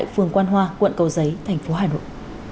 phường quan hoa quận cầu giấy thành phố hà nội